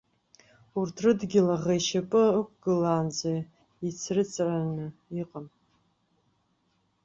Урҭ рыдгьыл аӷа ишьапы ықәгыланаҵы ицрыҵраны иҟам.